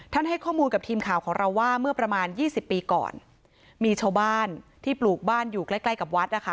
ให้ข้อมูลกับทีมข่าวของเราว่าเมื่อประมาณยี่สิบปีก่อนมีชาวบ้านที่ปลูกบ้านอยู่ใกล้ใกล้กับวัดนะคะ